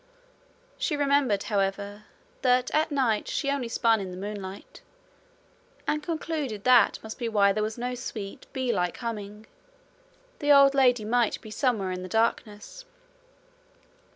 She remembered, however, that at night she spun only in the moonlight, and concluded that must be why there was no sweet, bee like humming: the old lady might be somewhere in the darkness.